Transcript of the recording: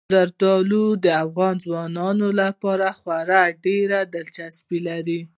زردالو د افغان ځوانانو لپاره خورا ډېره دلچسپي لري.